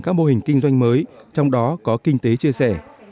các mô hình kinh doanh mới trong đó có kinh tế chia sẻ